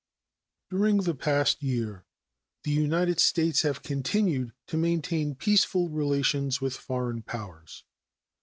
During the past year the United States have continued to maintain peaceful relations with foreign powers.